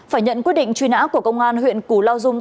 phải nhận quyết định truy nã của công an huyện củ lao dung